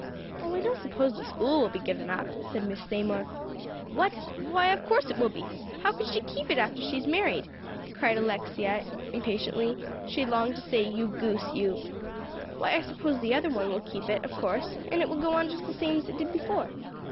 "Oh, I don't suppose the school will be given up," said Miss Seymour. "What? Why, of course it will be. How can she keep it after she is married?" cried Alexia impatiently. She longed to say, "you goose you!" "Why, I suppose the other one will keep it, of course; and it will go on just the same as it did before."